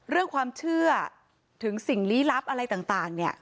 เรื่องความเชื่อถึงสิ่งลี้ลับอะไรต่างเนี่ย